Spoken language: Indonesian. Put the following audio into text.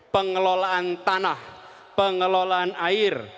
pengelolaan tanah pengelolaan air